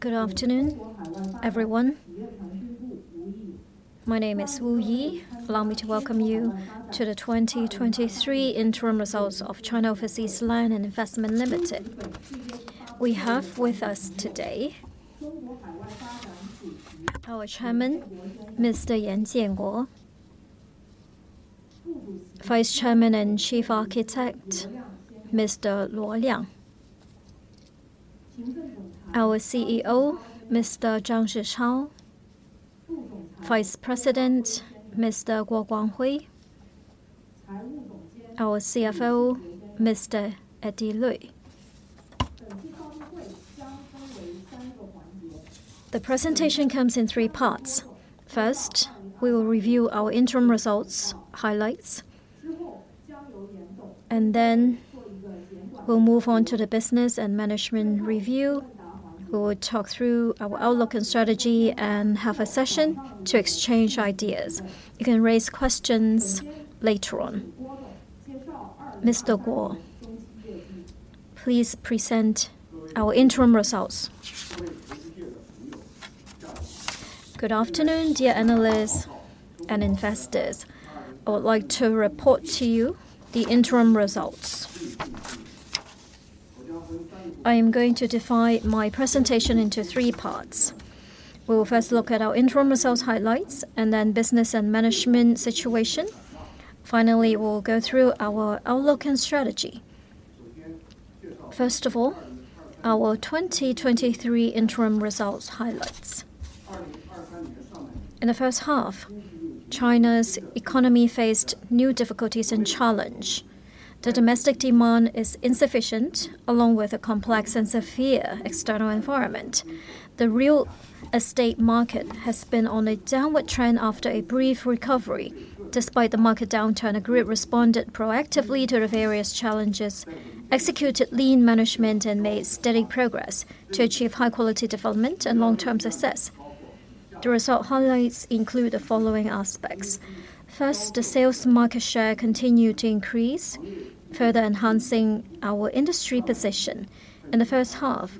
Good afternoon, everyone. My name is Wu Yi. Allow me to welcome you to the 2023 interim results of China Overseas Land & Investment Limited. We have with us today our Chairman, Mr. Yan Jianguo, Vice Chairman and Chief Architect, Mr. Luo Liang, our CEO, Mr. Zhang Zhichao, Vice President, Mr. Guo Guanghui, our CFO, Mr. Eddie Lui. The presentation comes in three parts. First, we will review our interim results highlights, and then we'll move on to the business and management review. We will talk through our outlook and strategy and have a session to exchange ideas. You can raise questions later on. Mr. Guo, please present our interim results. Good afternoon, dear analysts and investors. I would like to report to you the interim results. I am going to divide my presentation into three parts. We will first look at our interim results highlights, and then business and management situation. Finally, we'll go through our outlook and strategy. First of all, our 2023 interim results highlights. In the first half, China's economy faced new difficulties and challenge. The domestic demand is insufficient, along with a complex and severe external environment. The real estate market has been on a downward trend after a brief recovery. Despite the market downturn, the group responded proactively to the various challenges, executed lean management, and made steady progress to achieve high quality development and long-term success. The result highlights include the following aspects: First, the sales market share continued to increase, further enhancing our industry position. In the first half,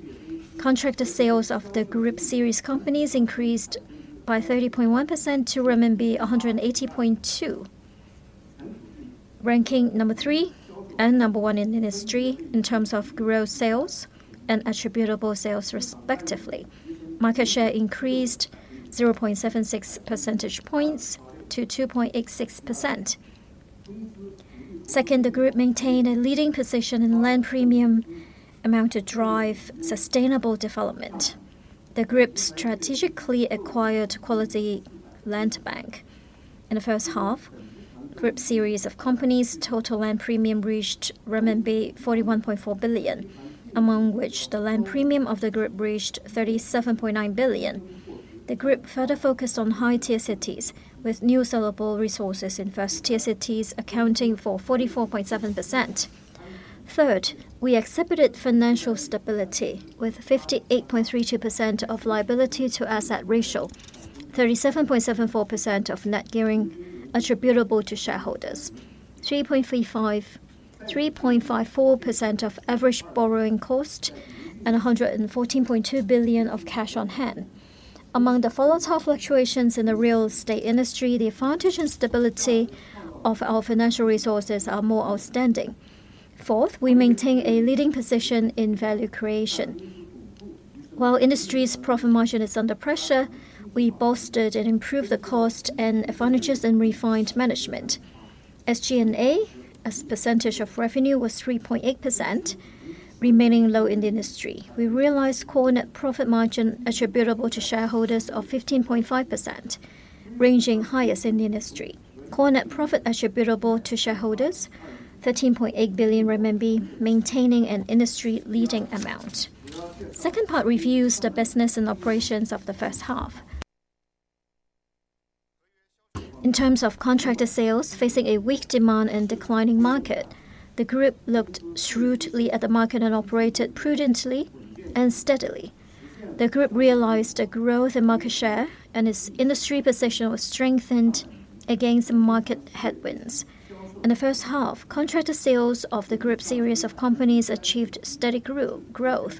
contracted sales of the group series companies increased by 30.1% to renminbi 180.2 billion, ranking 3 and 1 in the industry in terms of gross sales and attributable sales, respectively. Market share increased 0.76 percentage points to 2.86%. Second, the group maintained a leading position in land premium amount to drive sustainable development. The group strategically acquired quality land bank. In the first half, group series of companies' total land premium reached renminbi 41.4 billion, among which the land premium of the group reached 37.9 billion. The group further focused on high-tier cities, with new sellable resources in first-tier cities, accounting for 44.7%. Third, we exhibited financial stability with 58.32% of liability-to-asset ratio, 37.74% of net gearing attributable to shareholders, 3.54% of average borrowing cost, and 114.2 billion of cash on hand. Among the volatile fluctuations in the real estate industry, the advantage and stability of our financial resources are more outstanding. Fourth, we maintain a leading position in value creation. While industry's profit margin is under pressure, we bolstered and improved the cost and advantages and refined management. SG&A, as percentage of revenue, was 3.8%, remaining low in the industry. We realized core net profit margin attributable to shareholders of 15.5%, ranging highest in the industry. Core net profit attributable to shareholders, 13.8 billion RMB, maintaining an industry-leading amount. Second part reviews the business and operations of the first half. In terms of contracted sales, facing a weak demand and declining market, the group looked shrewdly at the market and operated prudently and steadily. The group realized a growth in market share, and its industry position was strengthened against the market headwinds. In the first half, contracted sales of the group series of companies achieved steady growth,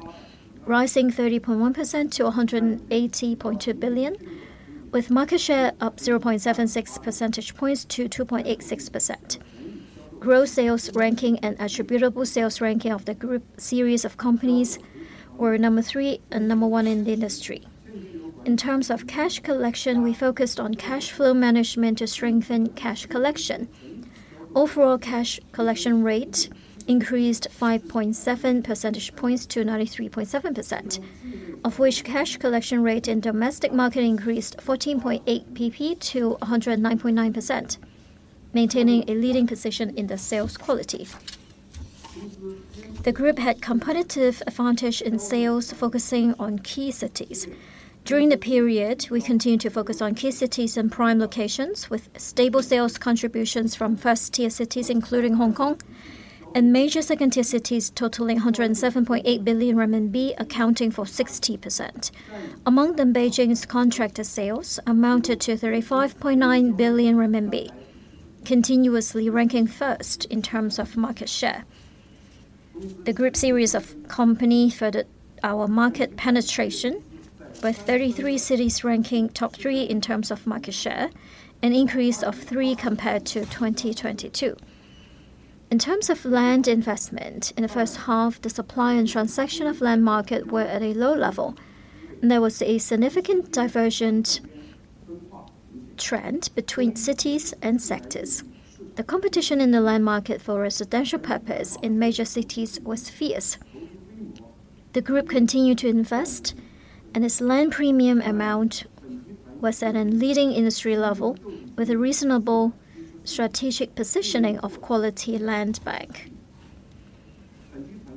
rising 30.1% to 180.2 billion, with market share up 0.76 percentage points to 2.86%. Gross sales ranking and attributable sales ranking of the group series of companies were number three and number one in the industry. In terms of cash collection, we focused on cash flow management to strengthen cash collection. Overall cash collection rate increased 5.7 percentage points to 93.7%, of which cash collection rate in domestic market increased 14.8 basis points to 109.9%, maintaining a leading position in the sales quality. The group had competitive advantage in sales, focusing on key cities. During the period, we continued to focus on key cities and prime locations, with stable sales contributions from first-tier cities, including Hong Kong, and major second-tier cities totaling 107.8 billion RMB, accounting for 60%. Among them, Beijing's contracted sales amounted to 35.9 billion RMB, continuously ranking first in terms of market share.... The group series of company furthered our market penetration, with 33 cities ranking top three in terms of market share, an increase of three compared to 2022. In terms of land investment, in the first half, the supply and transaction of land market were at a low level, and there was a significant divergent trend between cities and sectors. The competition in the land market for residential purpose in major cities was fierce. The group continued to invest, and its land premium amount was at a leading industry level, with a reasonable strategic positioning of quality land bank.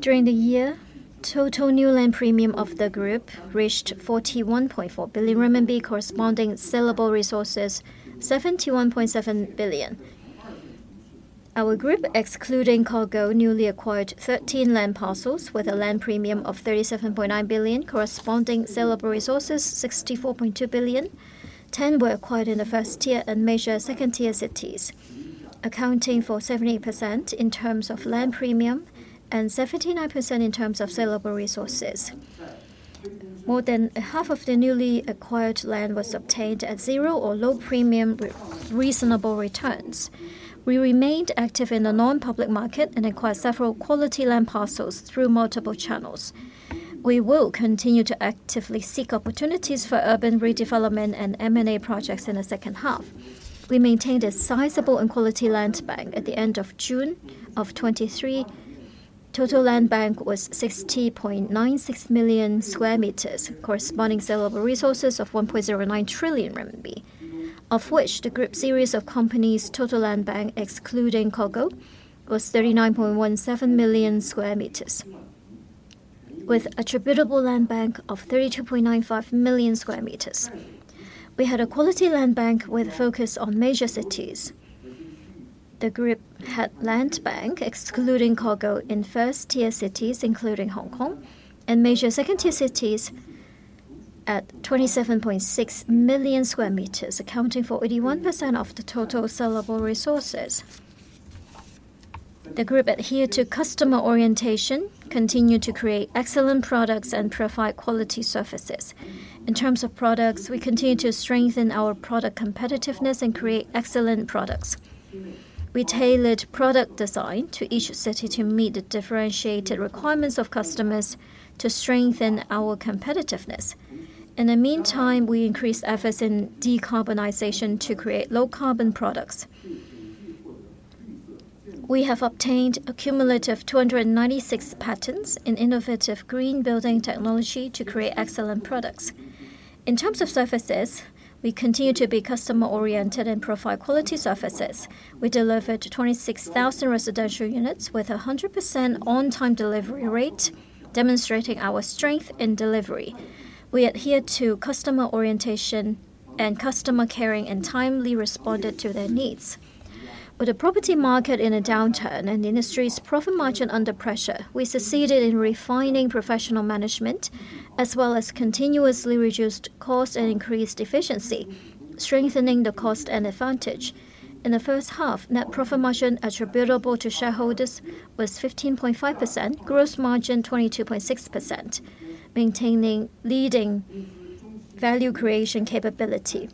During the year, total new land premium of the group reached 41.4 billion RMB, corresponding sellable resources, 71.7 billion. Our group, excluding COGO, newly acquired 13 land parcels with a land premium of 37.9 billion, corresponding sellable resources, 64.2 billion. 10 were acquired in the first-tier and major second-tier cities, accounting for 70% in terms of land premium and 79% in terms of sellable resources. More than half of the newly acquired land was obtained at zero or low premium with reasonable returns. We remained active in the non-public market and acquired several quality land parcels through multiple channels. We will continue to actively seek opportunities for urban redevelopment and M&A projects in the second half. We maintained a sizable and quality land bank. At the end of June of 2023, total land bank was 60.96 million sq m, corresponding sellable resources of 1.09 trillion RMB, of which the group series of companies' total land bank, excluding COGO, was 39.17 million sq m, with attributable land bank of 32.95 million sq m. We had a quality land bank with focus on major cities. The group had land bank, excluding COGO, in first-tier cities, including Hong Kong, and major second-tier cities at 27.6 million sq m, accounting for 81% of the total sellable resources. The group adhered to customer orientation, continued to create excellent products, and provide quality services. In terms of products, we continue to strengthen our product competitiveness and create excellent products. We tailored product design to each city to meet the differentiated requirements of customers to strengthen our competitiveness. In the meantime, we increased efforts in decarbonization to create low-carbon products. We have obtained a cumulative 296 patents in innovative green building technology to create excellent products. In terms of services, we continue to be customer-oriented and provide quality services. We delivered 26,000 residential units with a 100% on-time delivery rate, demonstrating our strength in delivery. We adhere to customer orientation and customer caring, and timely responded to their needs. With the property market in a downturn and the industry's profit margin under pressure, we succeeded in refining professional management, as well as continuously reduced cost and increased efficiency, strengthening the cost and advantage. In the first half, net profit margin attributable to shareholders was 15.5%, gross margin 22.6%, maintaining leading value creation capability.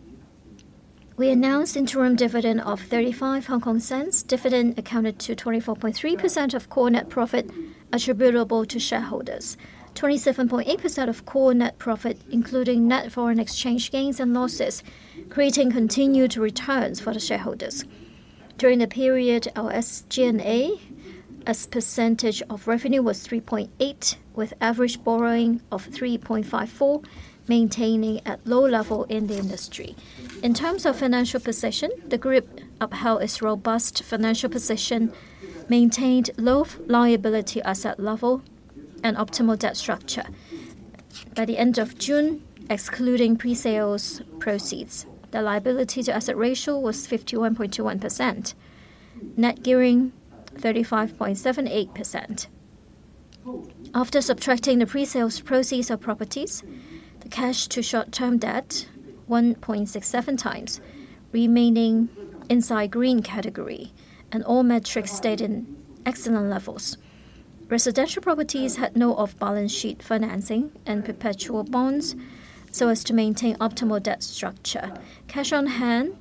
We announced interim dividend of HK$0.35. Dividend accounted to 24.3% of core net profit attributable to shareholders. 27.8% of core net profit, including net foreign exchange gains and losses, creating continued returns for the shareholders. During the period, our SG&A as percentage of revenue was 3.8%, with average borrowing of 3.54%, maintaining at low level in the industry. In terms of financial position, the group upheld its robust financial position, maintained low liability asset level and optimal debt structure. By the end of June, excluding pre-sales proceeds, the liability to asset ratio was 51.21%, net gearing 35.78%. After subtracting the pre-sales proceeds of properties, the cash to short-term debt 1.67 times, remaining inside green category, and all metrics stayed in excellent levels. Residential properties had no off-balance-sheet financing and perpetual bonds, so as to maintain optimal debt structure. Cash on hand,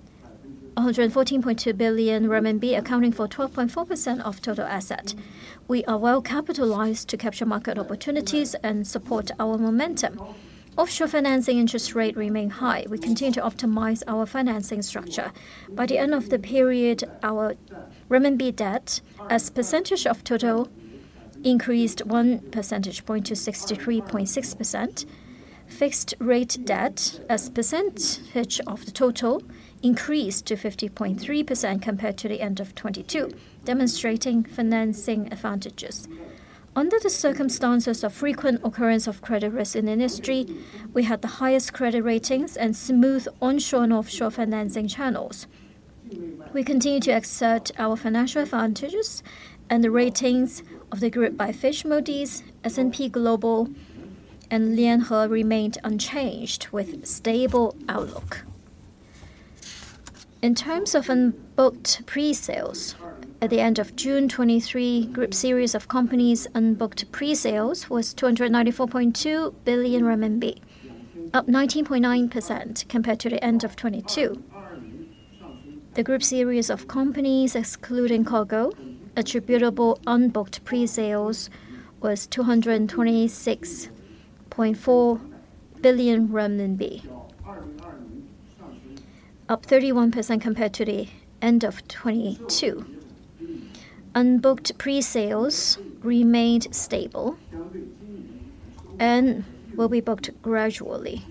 114.2 billion RMB, accounting for 12.4% of total asset. We are well capitalized to capture market opportunities and support our momentum. Offshore financing interest rate remain high. We continue to optimize our financing structure. By the end of the period, our renminbi debt as percentage of total increased one percentage point to 63.6%. Fixed rate debt as percentage of the total increased to 50.3% compared to the end of 2022, demonstrating financing advantages. Under the circumstances of frequent occurrence of credit risk in the industry, we had the highest credit ratings and smooth onshore and offshore financing channels. We continue to exert our financial advantages, and the ratings of the group by Fitch, Moody's, S&P Global, and Lianhe remained unchanged, with stable outlook. In terms of unbooked pre-sales, at the end of June 2023, group series of companies unbooked pre-sales was 294.2 billion RMB, up 19.9% compared to the end of 2022. The Group's series of companies, excluding COGO, attributable unbooked pre-sales was CNY 226.4 billion, up 31% compared to the end of 2022. Unbooked pre-sales remained stable and will be booked gradually,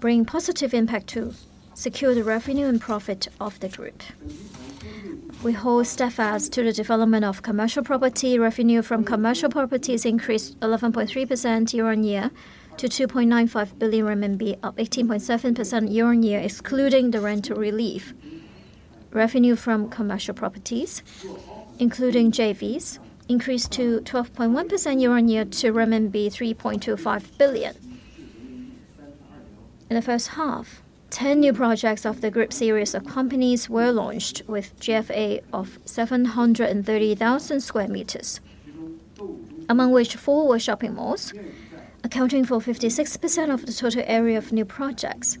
bringing positive impact to secure the revenue and profit of the Group. We hold steadfast to the development of commercial property. Revenue from commercial properties increased 11.3% year-on-year to 2.95 billion RMB, up 18.7% year-on-year, excluding the rental relief. Revenue from commercial properties, including JVs, increased 12.1% year-on-year to RMB 3.25 billion. In the first half, 10 new projects of the Group's series of companies were launched with GFA of 730,000 sq m, among which four were shopping malls, accounting for 56% of the total area of new projects.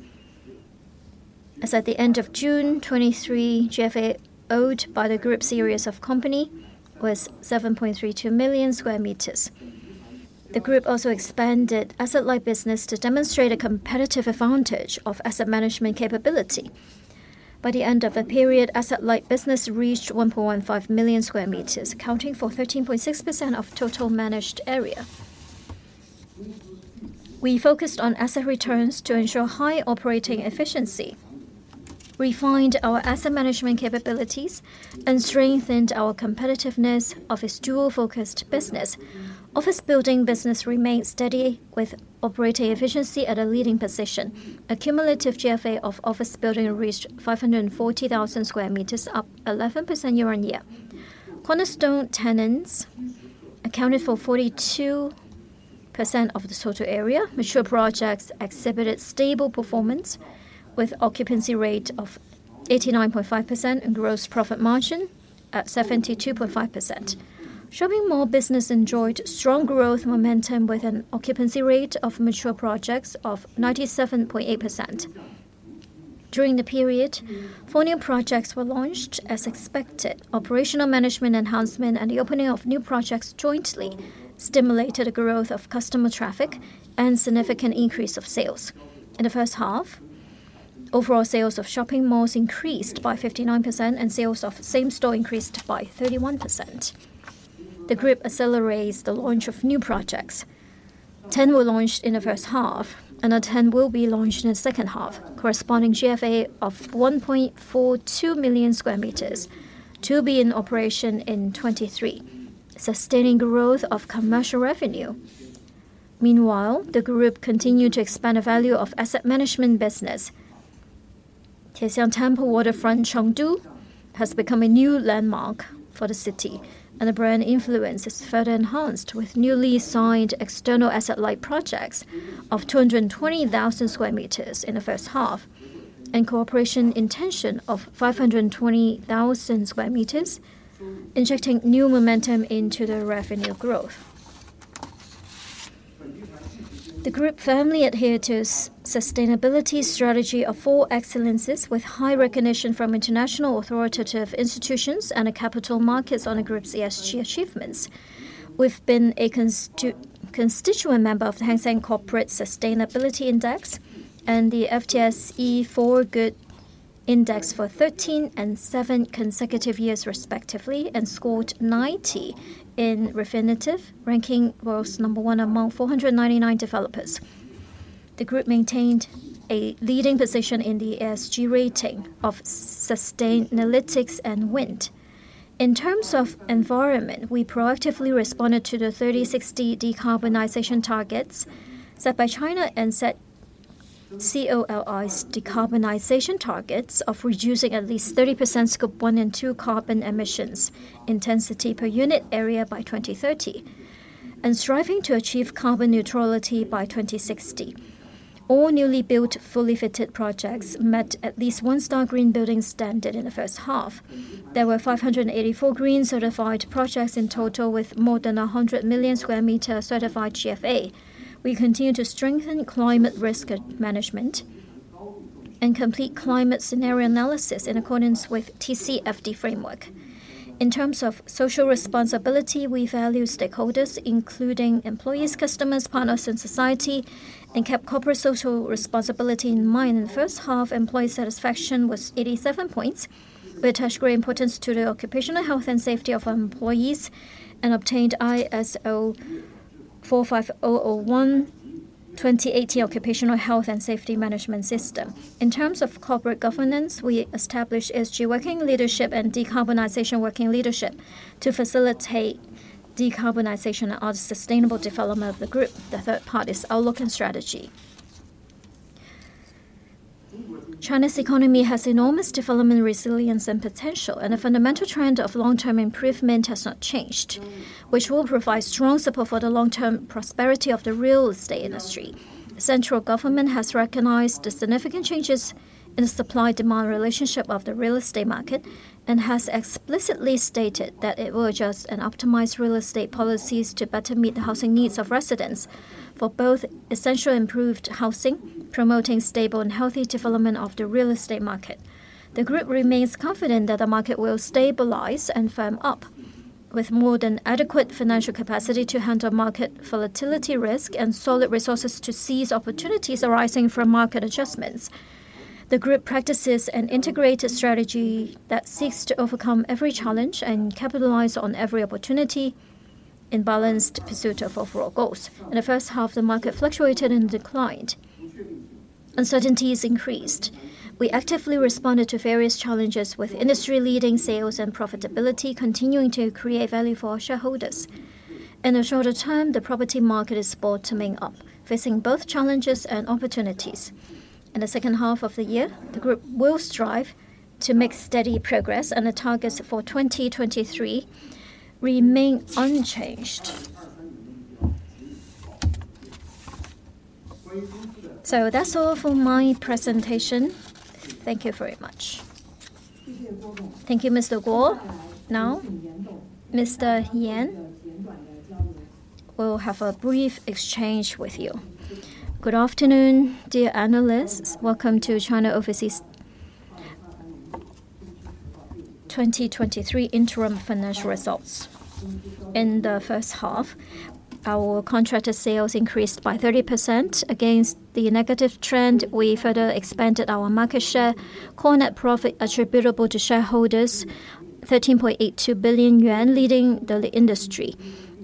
As at the end of June 2023, GFA owned by the group series of companies was 7.32 million sq m. The group also expanded asset-light business to demonstrate a competitive advantage of asset management capability. By the end of the period, asset-light business reached 1.15 million sq m, accounting for 13.6% of total managed area. We focused on asset returns to ensure high operating efficiency, refined our asset management capabilities, and strengthened our competitiveness of its dual-focused business. Office building business remained steady, with operating efficiency at a leading position. Accumulative GFA of office building reached 540,000 sq m, up 11% year-on-year. Cornerstone tenants accounted for 42% of the total area. Mature projects exhibited stable performance, with occupancy rate of 89.5% and gross profit margin at 72.5%. Shopping mall business enjoyed strong growth momentum, with an occupancy rate of mature projects of 97.8%. During the period, four new projects were launched as expected. Operational management enhancement and the opening of new projects jointly stimulated a growth of customer traffic and significant increase of sales. In the first half, overall sales of shopping malls increased by 59%, and sales of same store increased by 31%. The group accelerates the launch of new projects. Ten were launched in the first half, and another 10 will be launched in the second half, corresponding GFA of 1.42 million sq m to be in operation in 2023, sustaining growth of commercial revenue. Meanwhile, the group continued to expand the value of asset management business. Tiexiang Temple Waterfront, Chengdu, has become a new landmark for the city, and the brand influence is further enhanced with newly signed external asset-light projects of 220,000 sq m in the first half, and cooperation intention of 520,000 sq m, injecting new momentum into the revenue growth. The group firmly adhered to sustainability strategy of four excellences, with high recognition from international authoritative institutions and the capital markets on the group's ESG achievements. We've been a constituent member of the Hang Seng Corporate Sustainability Index and the FTSE4Good Index for 13 and 7 consecutive years, respectively, and scored 90 in Refinitiv, ranking world's number one among 499 developers. The group maintained a leading position in the ESG rating of Sustainalytics and Wind. In terms of environment, we proactively responded to the 30/60 decarbonization targets set by China and set COLI's decarbonization targets of reducing at least 30% Scope 1 and 2 carbon emissions intensity per unit area by 2030, and striving to achieve carbon neutrality by 2060. All newly built, fully fitted projects met at least 1-star green building standard in the first half. There were 584 green certified projects in total, with more than 100 million sq m certified GFA. We continue to strengthen climate risk management and complete climate scenario analysis in accordance with TCFD framework. In terms of social responsibility, we value stakeholders, including employees, customers, partners, and society, and kept corporate social responsibility in mind. In the first half, employee satisfaction was 87 points. We attached great importance to the occupational health and safety of our employees and obtained ISO 45001:2018 Occupational Health and Safety Management System. In terms of corporate governance, we established ESG working leadership and decarbonization working leadership to facilitate decarbonization and sustainable development of the group. The third part is outlook and strategy.... China's economy has enormous development, resilience, and potential, and the fundamental trend of long-term improvement has not changed, which will provide strong support for the long-term prosperity of the real estate industry. Central government has recognized the significant changes in the supply-demand relationship of the real estate market, and has explicitly stated that it will adjust and optimize real estate policies to better meet the housing needs of residents for both essential improved housing, promoting stable and healthy development of the real estate market. The group remains confident that the market will stabilize and firm up, with more than adequate financial capacity to handle market volatility risk and solid resources to seize opportunities arising from market adjustments. The group practices an integrated strategy that seeks to overcome every challenge and capitalize on every opportunity in balanced pursuit of overall goals. In the first half, the market fluctuated and declined. Uncertainties increased. We actively responded to various challenges with industry-leading sales and profitability, continuing to create value for our shareholders. In the shorter term, the property market is bottoming up, facing both challenges and opportunities. In the second half of the year, the group will strive to make steady progress, and the targets for 2023 remain unchanged. So that's all for my presentation. Thank you very much. Thank you, Mr. Guo. Now, Mr. Yan will have a brief exchange with you. Good afternoon, dear analysts. Welcome to China Overseas 2023 interim financial results. In the first half, our contracted sales increased by 30%. Against the negative trend, we further expanded our market share. Core net profit attributable to shareholders, 13.82 billion yuan, leading the industry.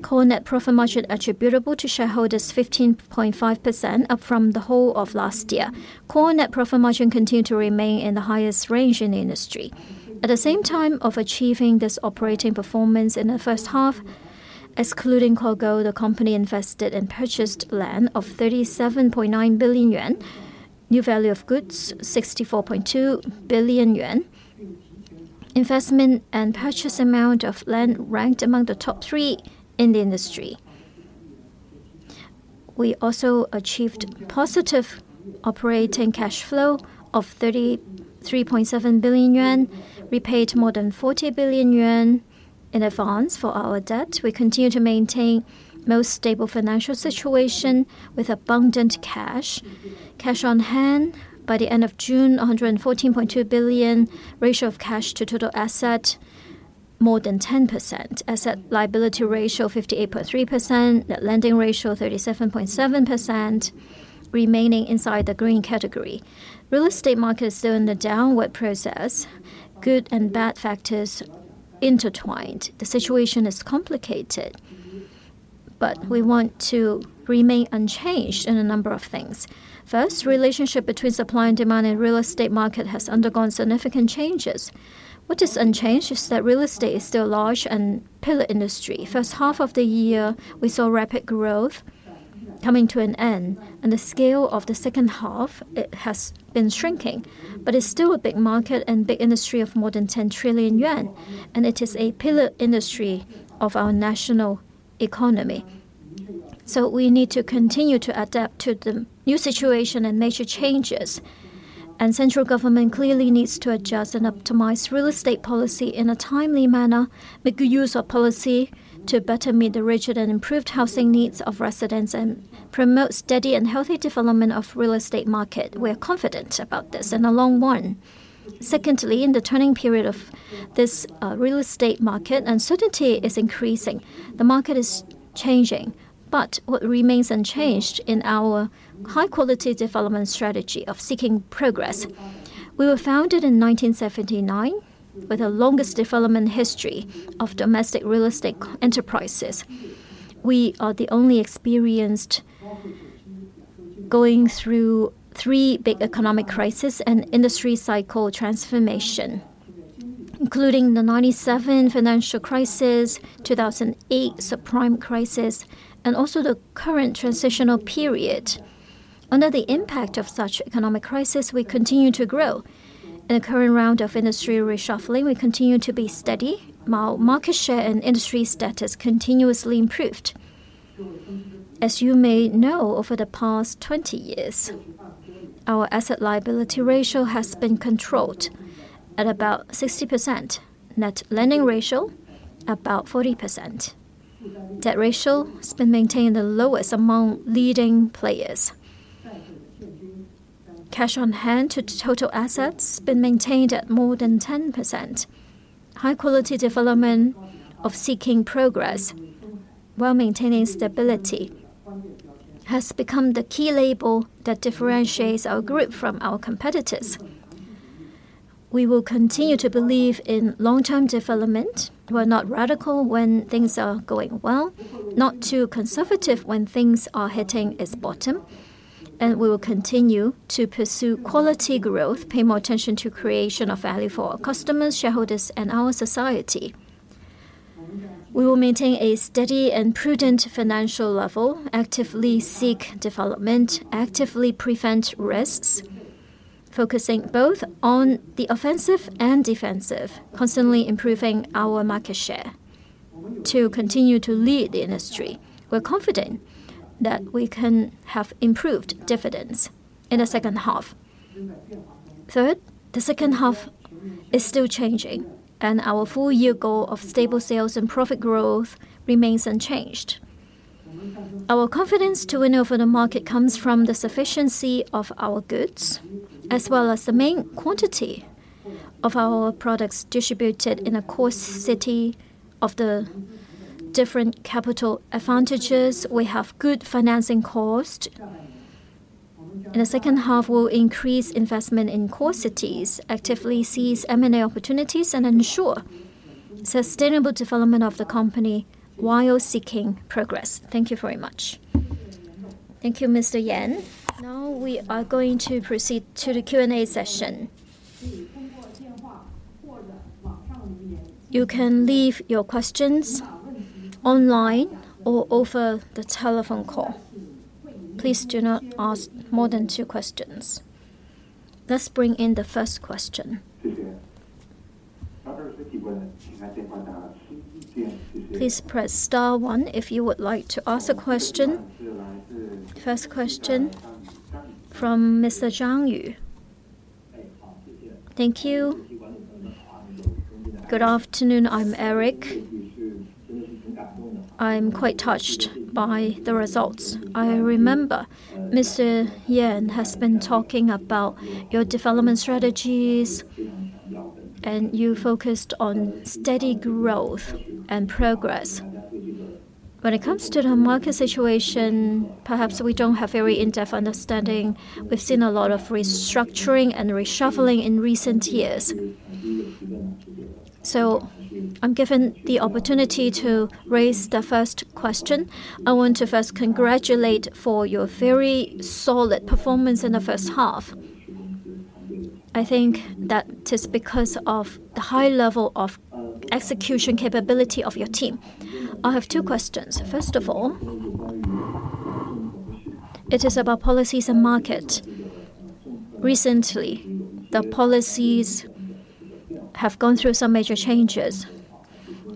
Core net profit margin attributable to shareholders, 15.5%, up from the whole of last year. Core net profit margin continued to remain in the highest range in the industry. At the same time of achieving this operating performance in the first half, excluding COGO, the company invested and purchased land of 37.9 billion yuan. New value of goods, 64.2 billion yuan. Investment and purchase amount of land ranked among the top three in the industry. We also achieved positive operating cash flow of 33.7 billion yuan, repaid more than 40 billion yuan in advance for our debt. We continue to maintain most stable financial situation with abundant cash. Cash on hand by the end of June, 114.2 billion. Ratio of cash to total assets, more than 10%. Asset-liability ratio, 58.3%. Net gearing ratio, 37.7%, remaining inside the green category. Real estate market is still in the downward process, good and bad factors intertwined. The situation is complicated, but we want to remain unchanged in a number of things. First, relationship between supply and demand in real estate market has undergone significant changes. What is unchanged is that real estate is still a large and pillar industry. First half of the year, we saw rapid growth coming to an end, and the scale of the second half, it has been shrinking. But it's still a big market and big industry of more than 10 trillion yuan, and it is a pillar industry of our national economy. So we need to continue to adapt to the new situation and major changes, and central government clearly needs to adjust and optimize real estate policy in a timely manner, make good use of policy to better meet the rigid and improved housing needs of residents, and promote steady and healthy development of real estate market. We are confident about this and are long-term. Secondly, in the turning period of this, real estate market, uncertainty is increasing. The market is changing, but what remains unchanged in our high-quality development strategy of seeking progress We were founded in 1979, with the longest development history of domestic real estate enterprises. We are the only experienced going through three big economic crisis and industry cycle transformation, including the 1997 financial crisis, 2008 subprime crisis, and also the current transitional period. Under the impact of such economic crisis, we continue to grow. In the current round of industry reshuffling, we continue to be steady. Our market share and industry status continuously improved. As you may know, over the past 20 years, our asset liability ratio has been controlled at about 60%. Net lending ratio, about 40%. Debt ratio has been maintained the lowest among leading players. Cash on hand to total assets been maintained at more than 10%. High-quality development of seeking progress while maintaining stability, has become the key label that differentiates our group from our competitors. We will continue to believe in long-term development. We are not radical when things are going well, not too conservative when things are hitting its bottom, and we will continue to pursue quality growth, pay more attention to creation of value for our customers, shareholders, and our society... We will maintain a steady and prudent financial level, actively seek development, actively prevent risks, focusing both on the offensive and defensive, constantly improving our market share to continue to lead the industry. We're confident that we can have improved dividends in the second half. Third, the second half is still changing, and our full year goal of stable sales and profit growth remains unchanged. Our confidence to win over the market comes from the sufficiency of our goods, as well as the main quantity of our products distributed in a core city of the different capital advantages. We have good financing cost. In the second half, we'll increase investment in core cities, actively seize M&A opportunities, and ensure sustainable development of the company while seeking progress. Thank you very much. Thank you, Mr. Yan. Now, we are going to proceed to the Q&A session. You can leave your questions online or over the telephone call. Please do not ask more than two questions. Let's bring in the first question. Please press star one if you would like to ask a question. First question from Mr. Zhang Yu. Thank you. Good afternoon, I'm Eric. I'm quite touched by the results. I remember Mr. Yan has been talking about your development strategies, and you focused on steady growth and progress. When it comes to the market situation, perhaps we don't have very in-depth understanding. We've seen a lot of restructuring and reshuffling in recent years. So I'm given the opportunity to raise the first question. I want to first congratulate for your very solid performance in the first half. I think that it's because of the high level of execution capability of your team. I have two questions. First of all, it is about policies and market. Recently, the policies have gone through some major changes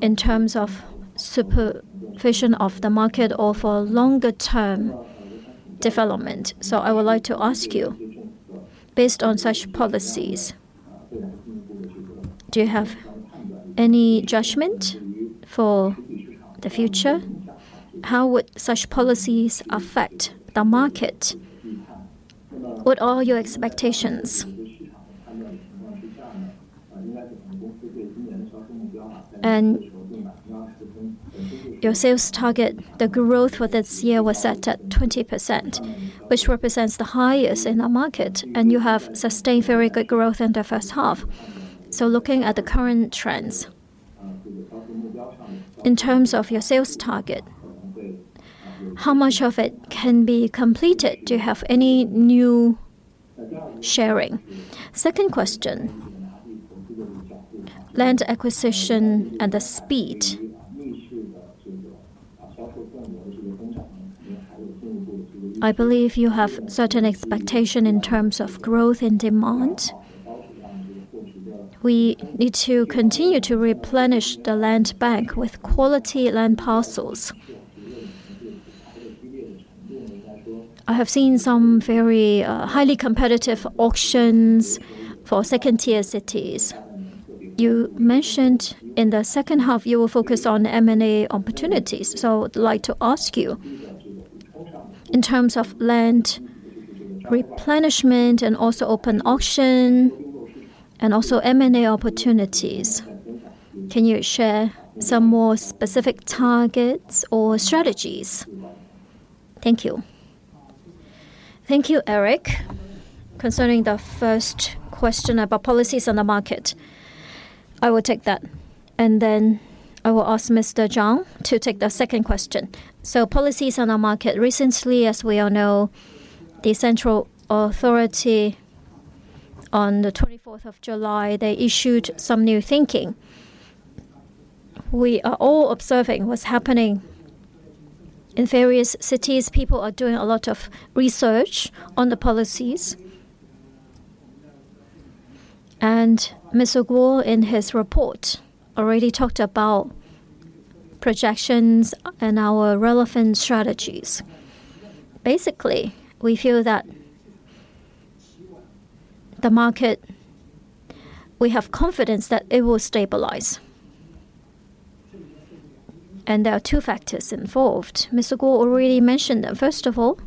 in terms of supervision of the market or for longer term development. So I would like to ask you, based on such policies, do you have any judgment for the future? How would such policies affect the market? What are your expectations? And your sales target, the growth for this year was set at 20%, which represents the highest in the market, and you have sustained very good growth in the first half. So looking at the current trends, in terms of your sales target, how much of it can be completed? Do you have any new sharing? Second question, land acquisition and the speed. I believe you have certain expectation in terms of growth and demand. We need to continue to replenish the land bank with quality land parcels. I have seen some very, highly competitive auctions for second-tier cities. You mentioned in the second half, you will focus on M&A opportunities. So I would like to ask you, in terms of land replenishment and also open auction and also M&A opportunities, can you share some more specific targets or strategies? Thank you. Thank you, Eric. Concerning the first question about policies on the market, I will take that, and then I will ask Mr. Zhang to take the second question. So policies on the market. Recently, as we all know, the central authority, on the 24th of July, they issued some new thinking. We are all observing what's happening in various cities. People are doing a lot of research on the policies. And Mr. Guo, in his report, already talked about projections and our relevant strategies. Basically, we feel that the market, we have confidence that it will stabilize, and there are two factors involved. Mr. Guo already mentioned them. First of all,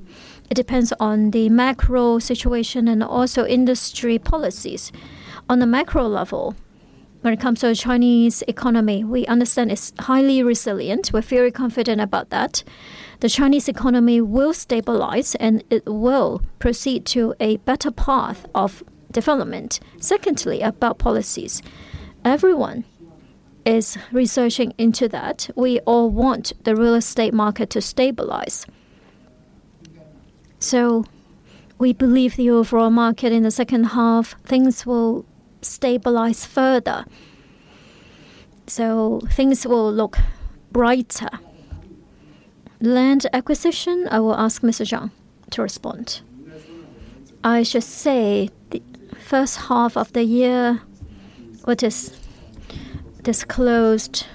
it depends on the macro situation and also industry policies. On the macro level, when it comes to the Chinese economy, we understand it's highly resilient. We're very confident about that. The Chinese economy will stabilize, and it will proceed to a better path of development. Secondly, about policies. Everyone is researching into that. We all want the real estate market to stabilize. So we believe the overall market in the second half, things will stabilize further, so things will look brighter. Land acquisition, I will ask Mr. Zhang to respond. I should say, the first half of the year, which is disclosed,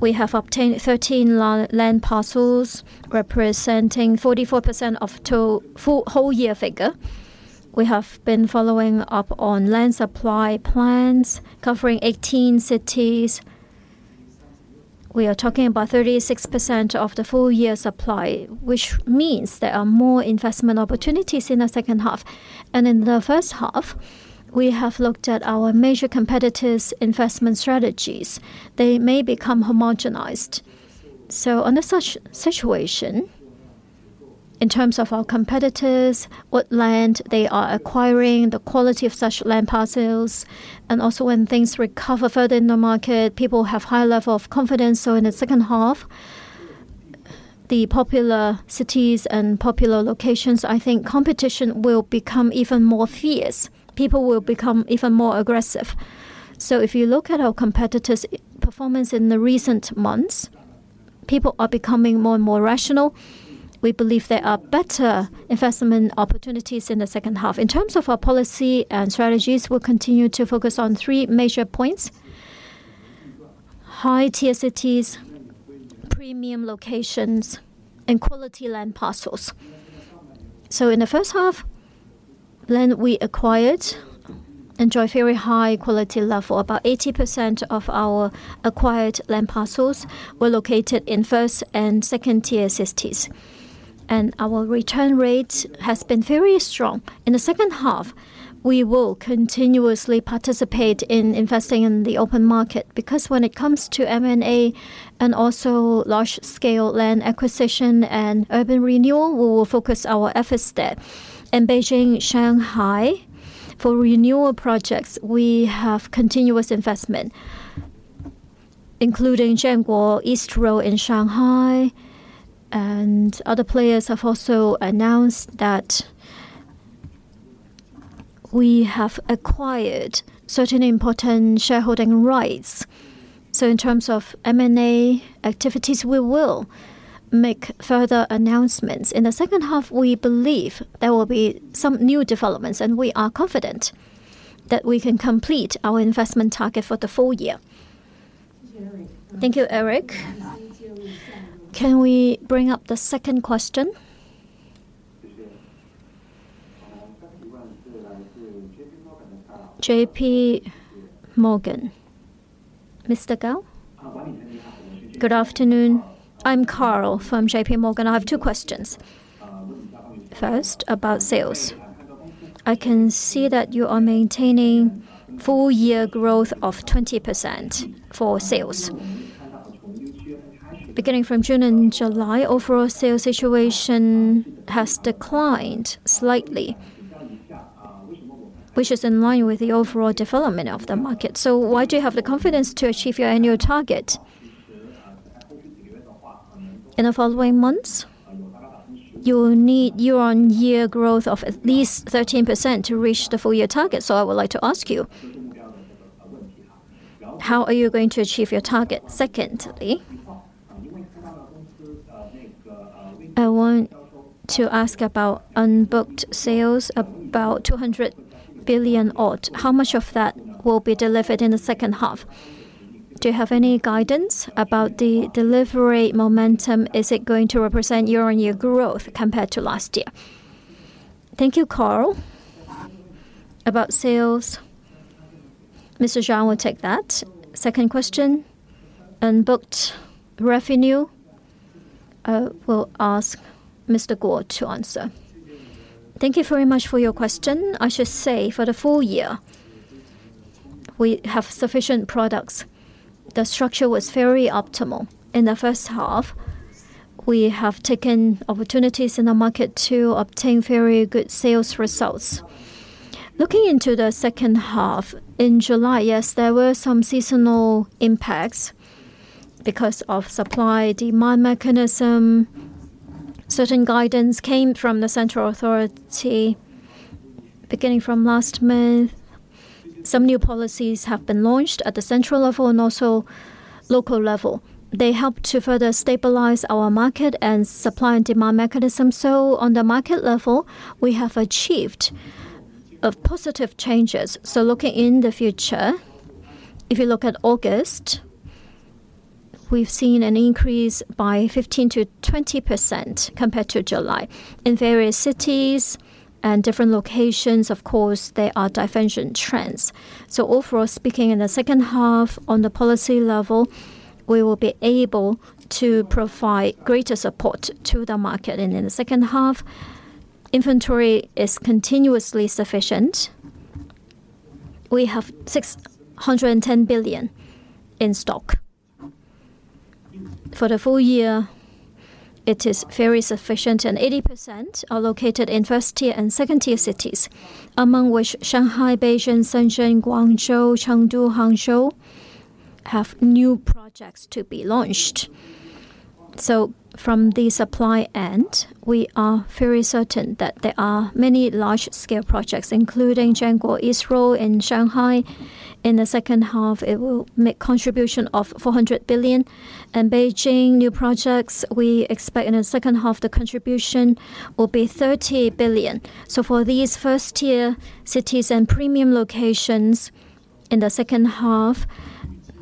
we have obtained 13 land parcels, representing 44% of total for whole year figure. We have been following up on land supply plans covering 18 cities. We are talking about 36% of the full-year supply, which means there are more investment opportunities in the second half. And in the first half, we have looked at our major competitors' investment strategies. They may become homogenized. So in such situation, in terms of our competitors, what land they are acquiring, the quality of such land parcels, and also when things recover further in the market, people have high level of confidence. In the second half, the popular cities and popular locations, I think competition will become even more fierce. People will become even more aggressive. If you look at our competitors' performance in the recent months, people are becoming more and more rational. We believe there are better investment opportunities in the second half. In terms of our policy and strategies, we'll continue to focus on three major points: high-tier cities, premium locations, and quality land parcels. In the first half, land we acquired enjoy very high quality level. About 80% of our acquired land parcels were located in first- and second-tier cities, and our return rate has been very strong. In the second half, we will continuously participate in investing in the open market, because when it comes to M&A and also large-scale land acquisition and urban renewal, we will focus our efforts there. In Beijing, Shanghai, for renewal projects, we have continuous investment, including Jianguo East Road in Shanghai, and other players have also announced that we have acquired certain important shareholding rights. So in terms of M&A activities, we will make further announcements. In the second half, we believe there will be some new developments, and we are confident that we can complete our investment target for the full year. Thank you, Eric. Can we bring up the second question? JPMorgan. Mr. Karl? Good afternoon. I'm Karl from JP Morgan. I have two questions. First, about sales. I can see that you are maintaining full-year growth of 20% for sales. Beginning from June and July, overall sales situation has declined slightly, which is in line with the overall development of the market. So why do you have the confidence to achieve your annual target? In the following months, you will need year-on-year growth of at least 13% to reach the full-year target. So I would like to ask you, how are you going to achieve your target? Secondly, I want to ask about unbooked sales, about 200 billion odd. How much of that will be delivered in the second half? Do you have any guidance about the delivery momentum? Is it going to represent year-on-year growth compared to last year? Thank you, Karl. About sales, Mr. Zhang will take that. Second question, unbooked revenue, we'll ask Mr. Guo to answer. Thank you very much for your question. I should say, for the full year, we have sufficient products. The structure was very optimal. In the first half, we have taken opportunities in the market to obtain very good sales results. Looking into the second half, in July, yes, there were some seasonal impacts because of supply-demand mechanism. Certain guidance came from the central authority. Beginning from last month, some new policies have been launched at the central level and also local level. They helped to further stabilize our market and supply and demand mechanism. So on the market level, we have achieved a positive changes. So looking in the future, if you look at August, we've seen an increase by 15%-20% compared to July. In various cities and different locations, of course, there are differential trends. So overall speaking, in the second half, on the policy level, we will be able to provide greater support to the market. In the second half, inventory is continuously sufficient. We have 610 billion in stock. For the full year, it is very sufficient, and 80% are located in first-tier and second-tier cities, among which Shanghai, Beijing, Shenzhen, Guangzhou, Chengdu, Hangzhou... have new projects to be launched. So from the supply end, we are very certain that there are many large-scale projects, including Jianguo East Road in Shanghai. In the second half, it will make contribution of 400 billion. In Beijing, new projects, we expect in the second half, the contribution will be 30 billion. So for these first-tier cities and premium locations, in the second half,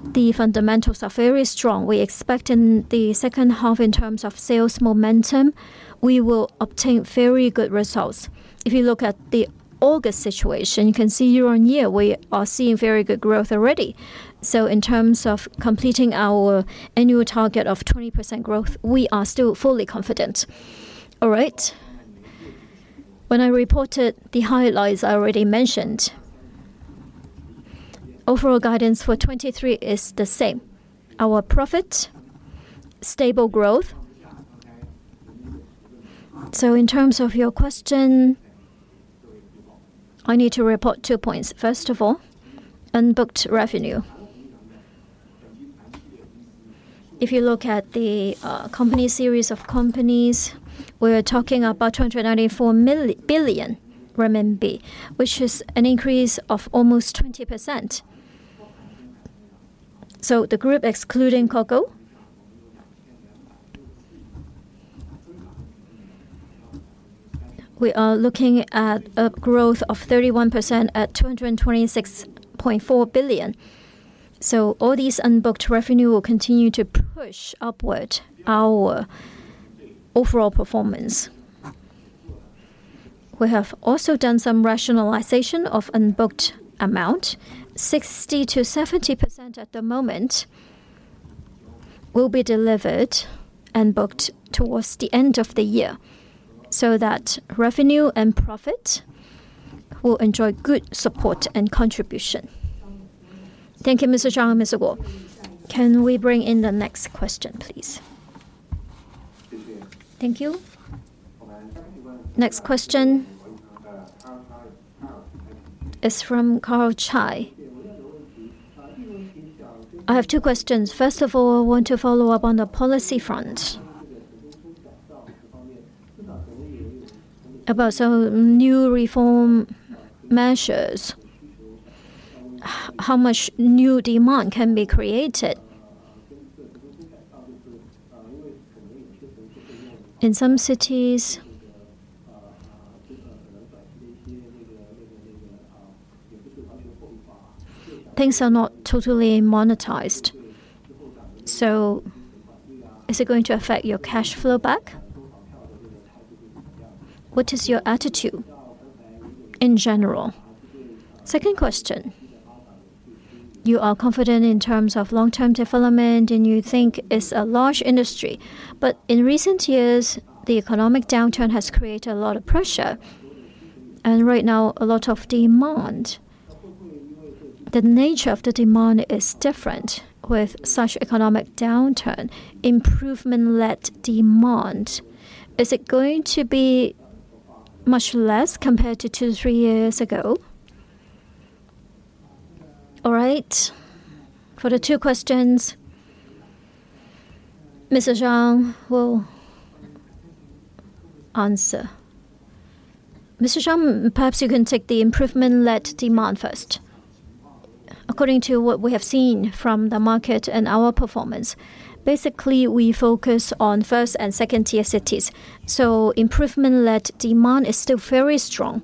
the fundamentals are very strong. We expect in the second half, in terms of sales momentum, we will obtain very good results. If you look at the August situation, you can see year-on-year, we are seeing very good growth already. So in terms of completing our annual target of 20% growth, we are still fully confident. All right. When I reported the highlights, I already mentioned. Overall guidance for 2023 is the same; our profit, stable growth. So in terms of your question, I need to report two points. First of all, unbooked revenue. If you look at the company, series of companies, we are talking about 294 billion renminbi, which is an increase of almost 20%. So the group excluding COGO... We are looking at a growth of 31% at 226.4 billion. So all these unbooked revenue will continue to push upward our overall performance. We have also done some rationalization of unbooked amount. 60%-70% at the moment will be delivered and booked towards the end of the year, so that revenue and profit will enjoy good support and contribution. Thank you, Mr. Zhang and Mr. Guo. Can we bring in the next question, please? Thank you. Next question is from [Karl Choi]. I have two questions. First of all, I want to follow up on the policy front. About some new reform measures, how much new demand can be created? In some cities, things are not totally monetized, so is it going to affect your cash flow back? What is your attitude in general? Second question: You are confident in terms of long-term development, and you think it's a large industry, but in recent years, the economic downturn has created a lot of pressure, and right now, a lot of demand. The nature of the demand is different with such economic downturn, improvement led demand. Is it going to be much less compared to two, three years ago? All right. For the two questions, Mr. Zhang will answer. Mr. Zhang, perhaps you can take the improvement-led demand first. According to what we have seen from the market and our performance, basically, we focus on first- and second-tier cities, so improvement-led demand is still very strong.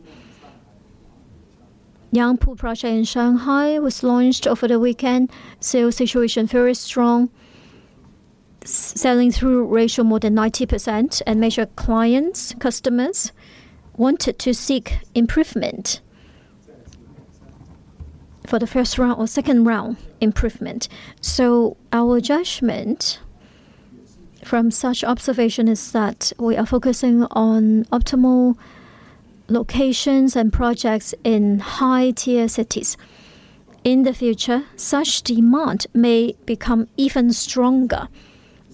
Yangpu project in Shanghai was launched over the weekend. Sales situation, very strong. Sell-through ratio more than 90% and major clients, customers, wanted to seek improvement for the first round or second-round improvement. So our judgment from such observation is that we are focusing on optimal locations and projects in high-tier cities. In the future, such demand may become even stronger.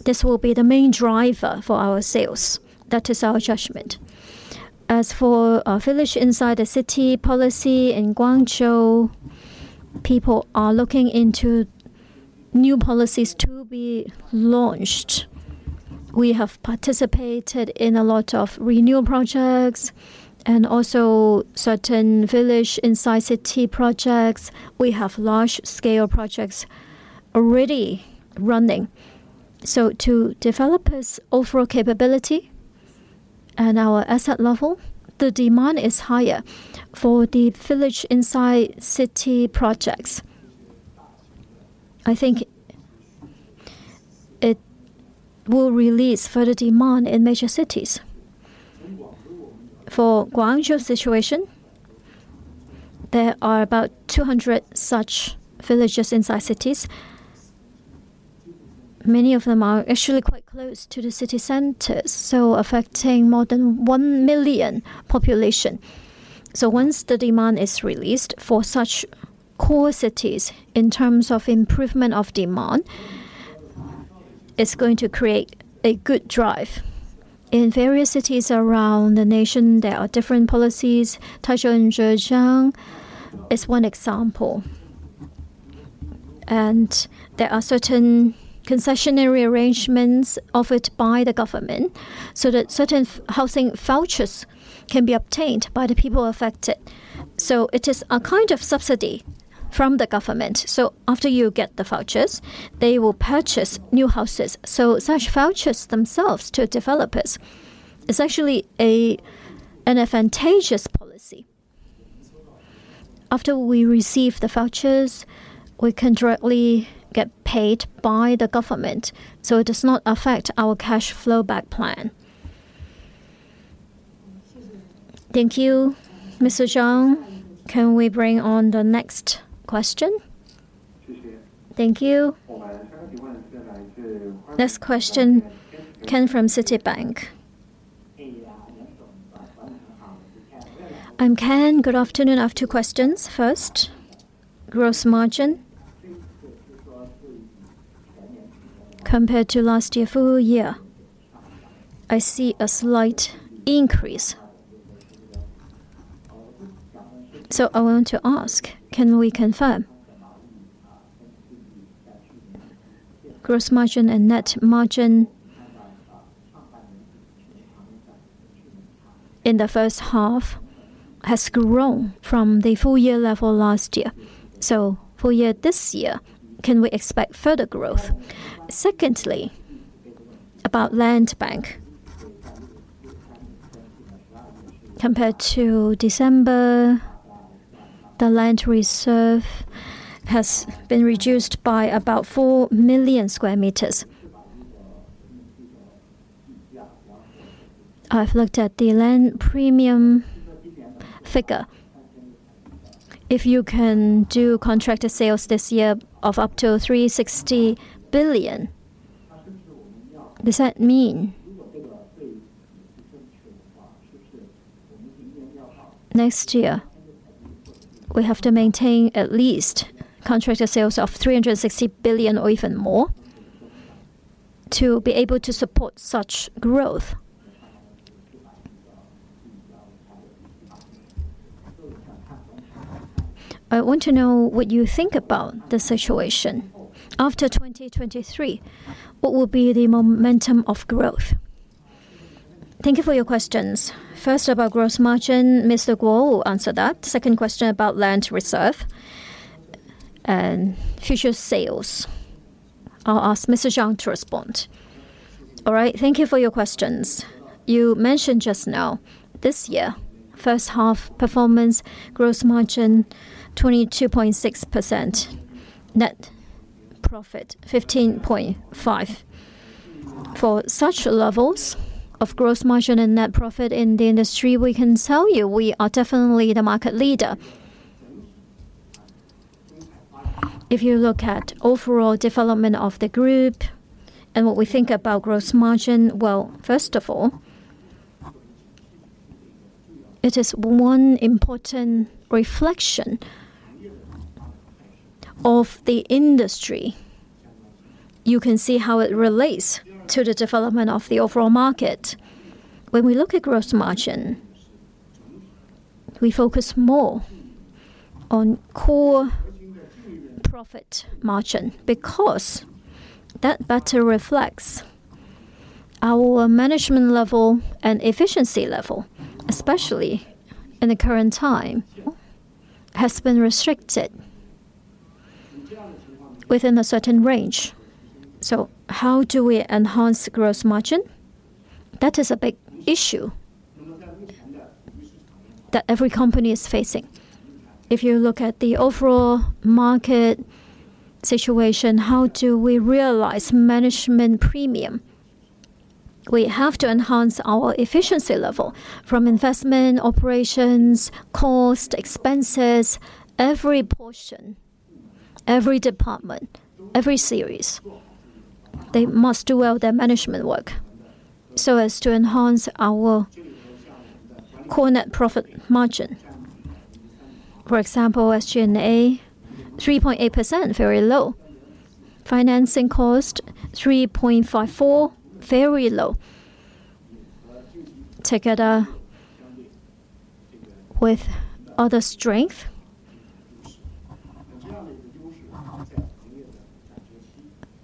This will be the main driver for our sales. That is our judgment. As for our village inside the city policy in Guangzhou, people are looking into new policies to be launched. We have participated in a lot of renewal projects and also certain village inside city projects. We have large-scale projects already running. So to develop its overall capability and our asset level, the demand is higher for the village inside city projects. I think it will release further demand in major cities. For Guangzhou situation, there are about 200 such villages inside cities. Many of them are actually quite close to the city centers, so affecting more than 1 million population. So once the demand is released for such core cities, in terms of improvement of demand... It's going to create a good drive. In various cities around the nation, there are different policies. Taizhou in Zhejiang is one example. And there are certain concessionary arrangements offered by the government so that certain housing vouchers can be obtained by the people affected. So it is a kind of subsidy from the government. So after you get the vouchers, they will purchase new houses. So such vouchers themselves to developers is actually a, an advantageous policy. After we receive the vouchers, we can directly get paid by the government, so it does not affect our cash flow back plan. Thank you, Mr. Zhang. Can we bring on the next question? Thank you. Next question, Ken from Citibank. I'm Ken. Good afternoon. I have two questions. First, gross margin. Compared to last year, full year, I see a slight increase. So I want to ask, can we confirm? Gross margin and net margin, in the first half, has grown from the full year level last year. So full year, this year, can we expect further growth? Secondly, about land bank. Compared to December, the land reserve has been reduced by about 4 million square meters. I've looked at the land premium figure. If you can do contracted sales this year of up to 360 billion, does that mean next year, we have to maintain at least contracted sales of 360 billion or even more, to be able to support such growth? I want to know what you think about the situation. After 2023, what will be the momentum of growth? Thank you for your questions. First, about gross margin, Mr. Guo will answer that. Second question about land reserve and future sales, I'll ask Mr. Zhang to respond. All right. Thank you for your questions. You mentioned just now, this year, first half performance gross margin, 22.6%, net profit, 15.5. For such levels of gross margin and net profit in the industry, we can tell you we are definitely the market leader. If you look at overall development of the group and what we think about gross margin, well, first of all, it is one important reflection of the industry. You can see how it relates to the development of the overall market. When we look at gross margin, we focus more on core profit margin, because that better reflects our management level and efficiency level, especially in the current time, has been restricted within a certain range. So how do we enhance gross margin? That is a big issue that every company is facing. If you look at the overall market situation, how do we realize management premium? We have to enhance our efficiency level from investment, operations, cost, expenses, every portion, every department, every series. They must do well their management work, so as to enhance our core net profit margin. For example, SG&A, 3.8%, very low. Financing cost, 3.54%, very low. Together with other strength,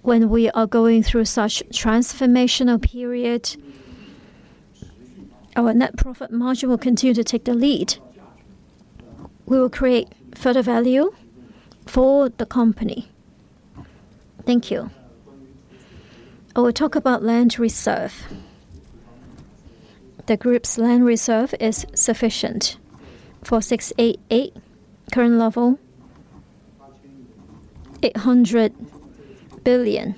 when we are going through such transformational period, our net profit margin will continue to take the lead. We will create further value for the company. Thank you. I will talk about land reserve. The group's land reserve is sufficient. 0688, current level, 800 billion.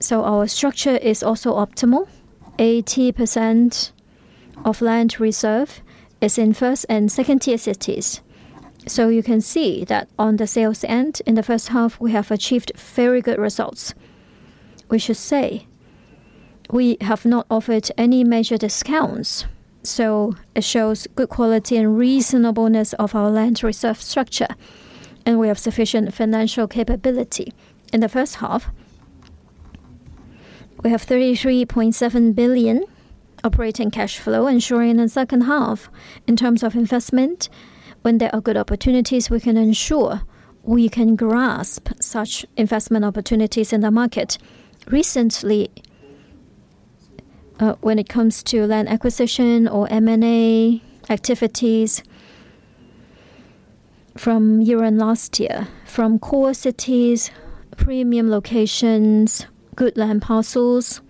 So our structure is also optimal. 80% of land reserve is in first and second tier cities. So you can see that on the sales end, in the first half, we have achieved very good results. We have not offered any major discounts, so it shows good quality and reasonableness of our land reserve structure, and we have sufficient financial capability. In the first half, we have 33.7 billion operating cash flow, ensuring the second half in terms of investment, when there are good opportunities, we can ensure we can grasp such investment opportunities in the market. Recently, when it comes to land acquisition or M&A activities from year end last year, from core cities, premium locations, good land parcels,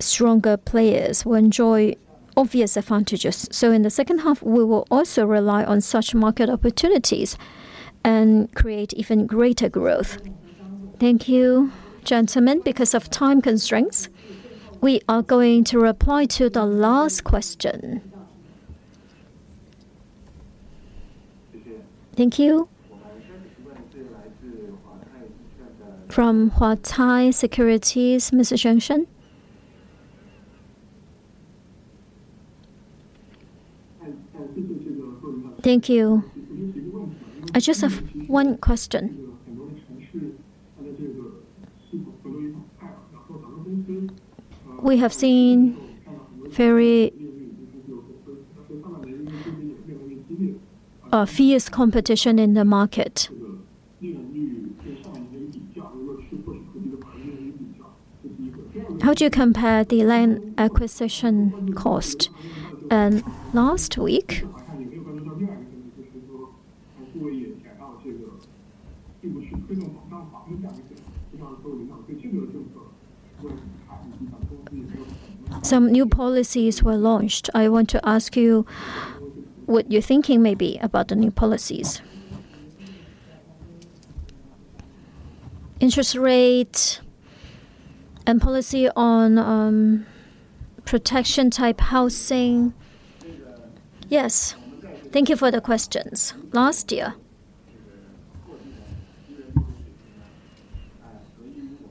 stronger players will enjoy obvious advantages. So in the second half, we will also rely on such market opportunities and create even greater growth. Thank you, gentlemen. Because of time constraints, we are going to reply to the last question. Thank you. From Huatai Securities, Mr. Chen Shen. Thank you. I just have one question. We have seen very, fierce competition in the market. How do you compare the land acquisition cost and last week? Some new policies were launched. I want to ask you what you're thinking may be about the new policies. Interest rate and policy on protection-type housing. Yes. Thank you for the questions. Last year,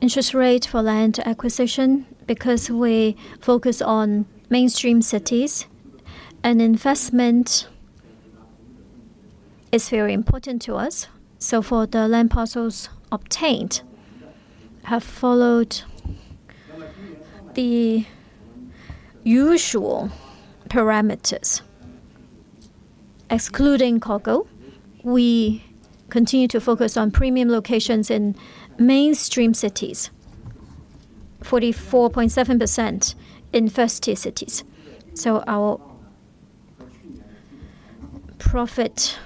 interest rate for land acquisition, because we focus on mainstream cities and investment is very important to us. So for the land parcels obtained, have followed the usual parameters. Excluding COGO, we continue to focus on premium locations in mainstream cities, 44.7% in first-tier cities. So our profit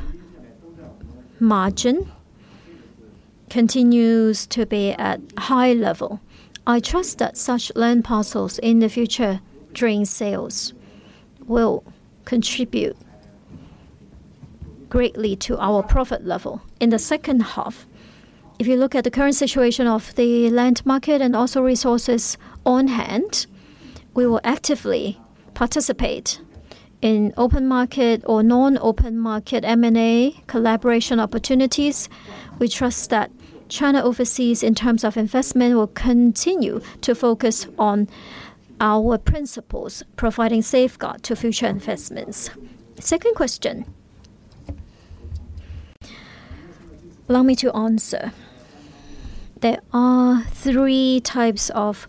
margin continues to be at high level. I trust that such land parcels in the future, during sales, will contribute greatly to our profit level. In the second half, if you look at the current situation of the land market and also resources on hand, we will actively participate in open market or non-open market M&A collaboration opportunities. We trust that China Overseas, in terms of investment, will continue to focus on our principles, providing safeguard to future investments. Second question. Allow me to answer. There are three types of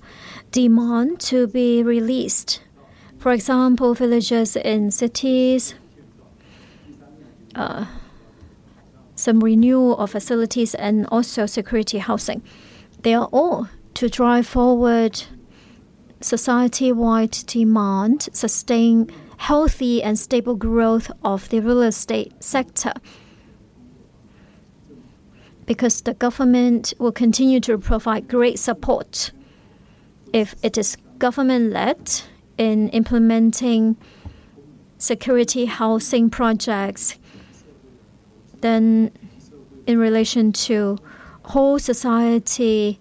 demand to be released. For example, villages and cities, some renewal of facilities and also security housing. They are all to drive forward society-wide demand, sustain healthy and stable growth of the real estate sector. Because the government will continue to provide great support if it is government-led in implementing security housing projects, then in relation to whole society,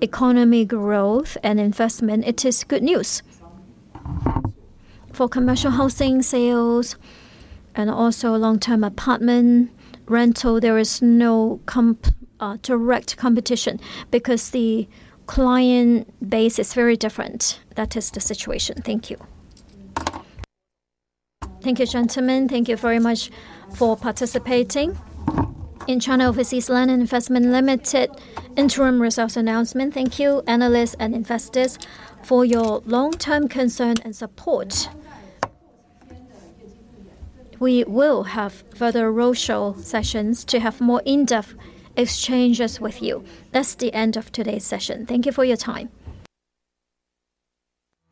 economic growth and investment, it is good news. For commercial housing sales and also long-term apartment rental, there is no direct competition because the client base is very different. That is the situation. Thank you. Thank you, gentlemen. Thank you very much for participating in China Overseas Land and Investment Limited interim results announcement. Thank you, analysts and investors, for your long-term concern and support. We will have further roadshow sessions to have more in-depth exchanges with you. That's the end of today's session. Thank you for your time.